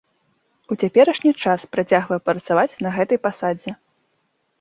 У цяперашні час працягвае працаваць на гэтай пасадзе.